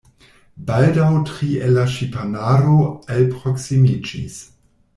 Baldaŭ tri el la ŝipanaro alproksimiĝis.